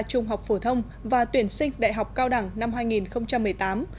trung học phổ thông và tuyển sinh đại học cao đẳng năm hai nghìn một mươi tám